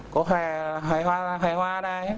có hoài hoa này